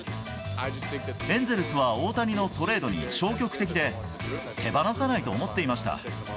エンゼルスは大谷のトレードに消極的で、手放せないと思っていました。